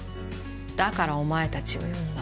だからお前たちを呼んだ。